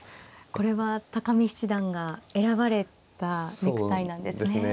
これは見七段が選ばれたネクタイなんですね。